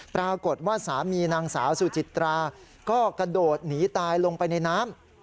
ปรากฏว่าสามีนางสาวสุจิตราก็กระโดดหนีตายลงไปในน้ำ